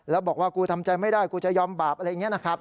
แล้วบอกว่ากูทำใจไม่ได้กูจะยอมบาปอะไรอย่างนี้นะครับ